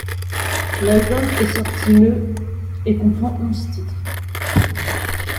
L'album est sorti le et comprend onze titres.